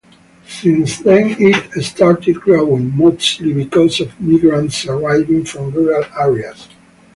Since then it started growing, mostly because of migrants arriving from rural areas.